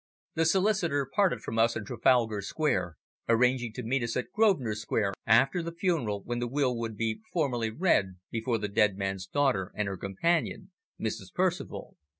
The solicitor parted from us in Trafalgar Square, arranging to meet us at Grosvenor Square after the funeral, when the will would be formally read before the dead man's daughter and her companion, Mrs. Percival.